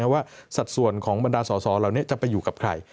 สัดส่วนของบรรดาสอสอเหล่านี้จะไปอยู่กับใคร